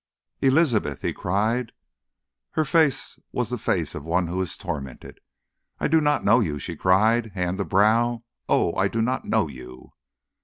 "Elizabeth!" he cried. Her face was the face of one who is tormented. "I do not know you," she cried, hand to brow. "Oh, I do not know you!"